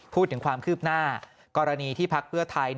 พูดถึงความคืบหน้ากรณีที่พักเพื่อไทย